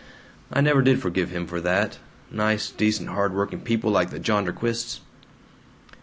I never did forgive him for that. Nice decent hard working people like the Jonderquists!"